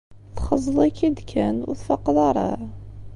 Txeẓẓeḍ-ik-id kan. Ur tfaqeḍ ara?